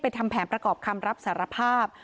ทำแผนประกอบคำรับสารภาพ